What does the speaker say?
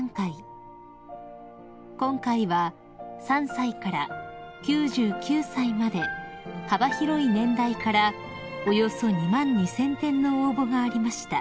［今回は３歳から９９歳まで幅広い年代からおよそ２万２，０００点の応募がありました］